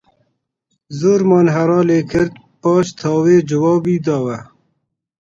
زۆرمان هەرا لێ کرد، پاش تاوێ جوابی داوە